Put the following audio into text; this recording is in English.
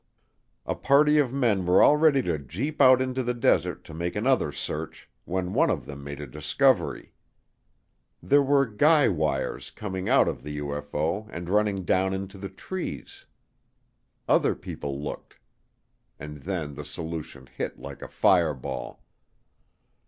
A party of men were all ready to jeep out into the desert to make another search when one of them made a discovery. There were guy wires coming out of the UFO and running down into the trees. Other people looked. And then the solution hit like a fireball.